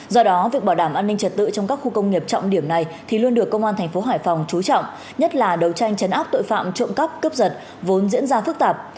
do đó việc bảo đảm an ninh trật tự trong các khu công nghiệp trọng điểm này thì luôn được công an thành phố hải phòng trú trọng nhất là đấu tranh chấn áp tội phạm trộm cắp cướp giật vốn diễn ra phức tạp